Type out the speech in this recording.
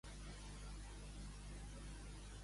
A la banda est de l'altiplà inferior hi ha una teixeda.